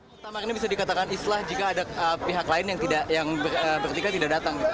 muktamar ini bisa dikatakan islah jika ada pihak lain yang bertiga tidak datang